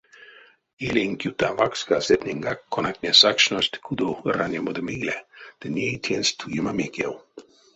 Илинк юта вакска сетненьгак, конатне сакшность кудов ранямодо мейле ды ней тенст туема мекев.